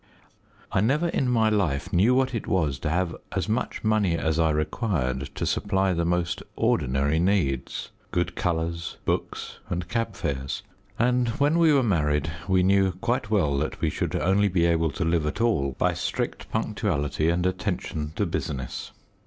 I never in my life knew what it was to have as much money as I required to supply the most ordinary needs good colours, books, and cab fares and when we were married we knew quite well that we should only be able to live at all by "strict punctuality and attention to business."